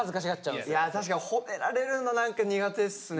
確かに褒められるの何か苦手っすね